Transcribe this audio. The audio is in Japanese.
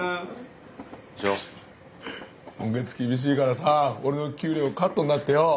今月厳しいからさ俺の給料カットになってよ。